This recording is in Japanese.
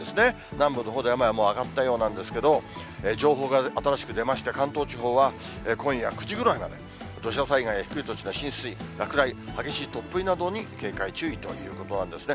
南部のほうではもう上がったようなんですけれども、情報が新しく出まして、関東地方は今夜９時ぐらいまで、土砂災害や低い土地の浸水、落雷、激しい突風などに警戒、注意ということなんですね。